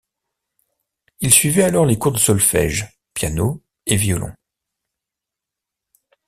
Il suivit alors les cours de solfège, piano et violon.